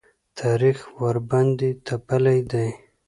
تاریخ ورباندې تپلی دی.